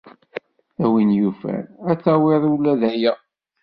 A win yufan, ad tawid ula d aya.